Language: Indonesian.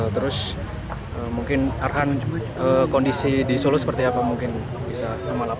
terus mungkin arhan kondisi di solo seperti apa mungkin bisa sama lapor